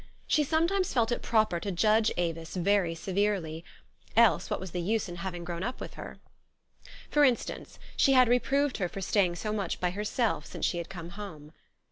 She sometimes felt it proper to judge Avis very severely ; else what was the use in having grown up with her? For instance, she had reproved her for staying so much by herself since she had come home.